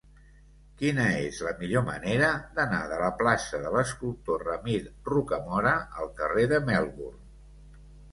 Quina és la millor manera d'anar de la plaça de l'Escultor Ramir Rocamora al carrer de Melbourne?